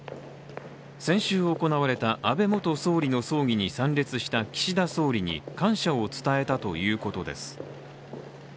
先週行われた安倍元総理の葬儀に参列した岸田総理に感謝を伝えたということです。